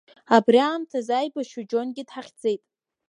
Абри аамҭазы аибашьҩы Џьонгьы дҳахьӡеит.